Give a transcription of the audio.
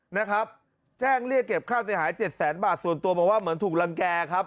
นะครับแจ้งเรียกเก็บค่าเสียหายเจ็ดแสนบาทส่วนตัวบอกว่าเหมือนถูกรังแก่ครับ